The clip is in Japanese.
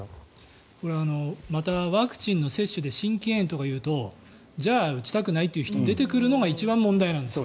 ワクチンの接種で心筋炎とかいうとじゃあ打ちたくないという人が出てくるのが一番問題なんですよ。